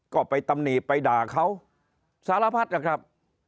ก็ไปตำหนิไปด่าเขาสารพัดนะครับ